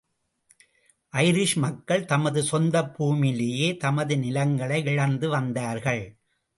Irish மக்கள் தமது சொந்தப் பூமியிலேயே தமது நிலங்களை இழந்து வந்தார்கள்.